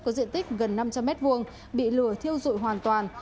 có diện tích gần năm trăm linh m hai bị lửa thiêu dụi hoàn toàn